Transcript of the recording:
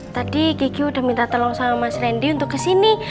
tadi kiki udah minta tolong sama mas randy untuk kesini